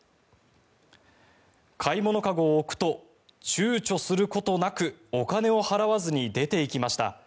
買い物籠を置くと躊躇することなくお金を払わずに出ていきました。